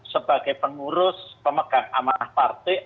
sebagai pengurus pemegang amanah partai